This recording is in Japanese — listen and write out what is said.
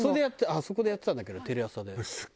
あそこでやってたんだけどテレ朝で。